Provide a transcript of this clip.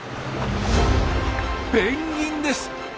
ペンギンです！